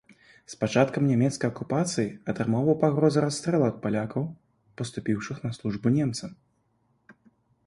З пачаткам нямецкай акупацыі атрымоўваў пагрозы расстрэлу ад палякаў, паступіўшых на службу немцам.